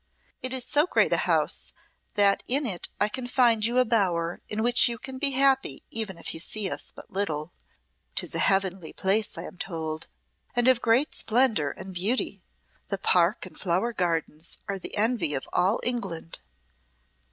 It is so great a house that in it I can find you a bower in which you can be happy even if you see us but little. 'Tis a heavenly place I am told, and of great splendour and beauty. The park and flower gardens are the envy of all England."